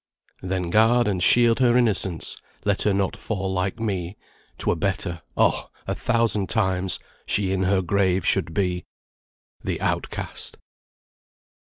"Then guard and shield her innocence, Let her not fall like me; 'Twere better, Oh! a thousand times, She in her grave should be." "THE OUTCAST."